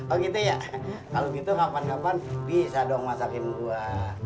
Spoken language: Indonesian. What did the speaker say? oh gitu ya kalau gitu kapan kapan bisa dong masakin buah